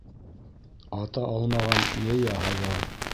Ата алмаған йәйә һайлар.